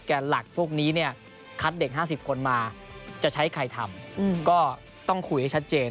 หลักพวกนี้เนี่ยคัดเด็ก๕๐คนมาจะใช้ใครทำก็ต้องคุยให้ชัดเจน